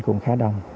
cũng khá đông